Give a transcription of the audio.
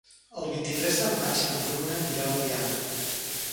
El vint-i-tres de maig na Bruna anirà a Oliana.